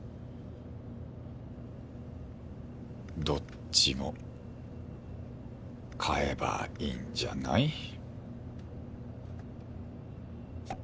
「どっちも買えばいいんじゃない？」。